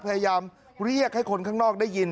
พยายามเรียกให้คนข้างนอกได้ยิน